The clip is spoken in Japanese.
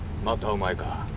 またお前か？